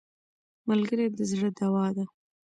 ملګری د زړه دوا ده